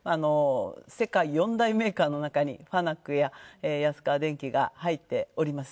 世界４大メーカーの中にファナックなどが入っております。